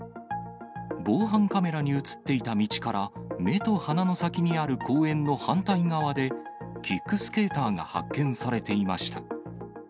防犯カメラに写っていた道から、目と鼻の先にある公園の反対側で、キックスケーターが発見されていました。